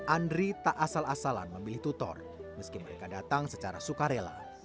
andri tak asal asalan memilih tutor meski mereka datang secara sukarela